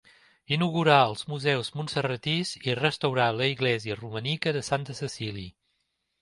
Inaugurà els museus montserratins i restaurà l'església romànica de Santa Cecília.